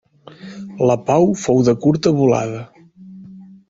La pau fou de curta volada.